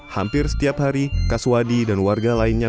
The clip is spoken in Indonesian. hampir setiap hari kaswadi dan warga lainnya